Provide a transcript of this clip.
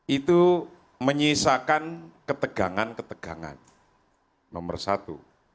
itu menyisakan ketegangan ketegangan nomor satu